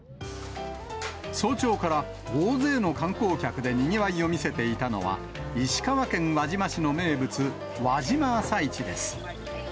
早朝から大勢の観光客でにぎわいを見せていたのは、石川県輪島市の名物、輪島朝市です。